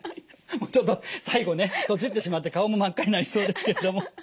ちょっと最後ねとちってしまって顔も真っ赤になりそうですけれども。